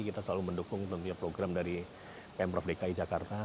kita selalu mendukung tentunya program dari pemprov dki jakarta